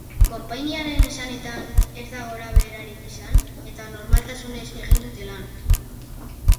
Konpainiaren esanetan, ez da gorabeherarik izan, eta normaltasunez egin dute lan.